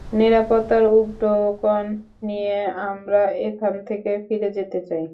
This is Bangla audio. নিরাপত্তার উপঢৌকন নিয়েই আমরা এখান থেকে ফিরে যেতে চাই।